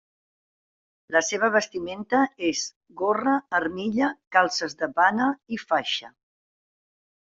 La seva vestimenta és gorra, armilla, calces de pana i faixa.